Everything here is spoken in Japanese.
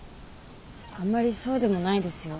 あんまりそうでもないですよ。